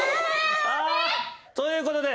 ということで。